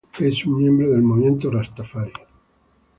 Richie Spice es un miembro del movimiento rastafari.